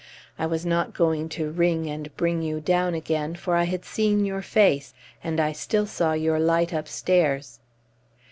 I was not going to ring and bring you down again, for I had seen your face, and I still saw your light upstairs."